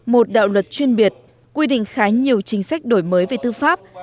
một đạo luật chuyên biệt quy định khá nhiều chính sách đổi mới về tư pháp